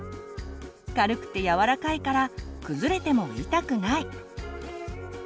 軽くてやわらかいから崩れても痛くない。